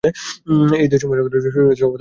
এই দুই সময়ে শরীরও স্বভাবত শান্ত হইতে চায়।